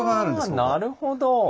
あなるほど。